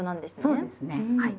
そうですねはい。